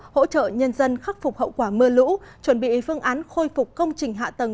hỗ trợ nhân dân khắc phục hậu quả mưa lũ chuẩn bị phương án khôi phục công trình hạ tầng